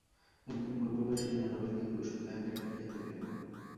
একদিন ভোরবেলা সেই জানালা দিয়ে কুসুম তাহাকে ডাকিয়া তুলিল।